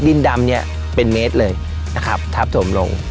ดินดำเนี่ยเป็นเมตรเลยนะครับทับถมลง